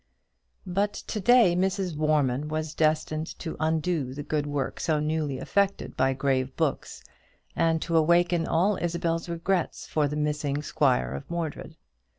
But to day Mrs. Warman was destined to undo the good work so newly effected by grave books, and to awaken all Isabel's regrets for the missing squire of Mordred.